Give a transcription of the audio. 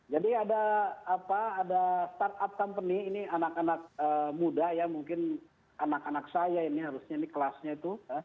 jadi ada apa ada start up company ini anak anak muda ya mungkin anak anak saya ini harusnya ini kelasnya itu